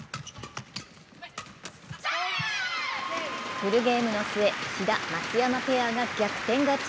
フルゲームの末、志田・松山ペアが逆転勝ち。